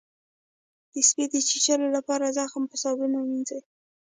د سپي د چیچلو لپاره زخم په صابون ووینځئ